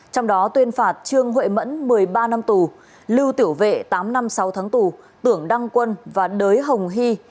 trong đó tuyên phạt trương huệ mẫn một mươi ba năm tù lưu tiểu vệ tám năm sáu tháng tù tưởng đăng quân và đới hồng hy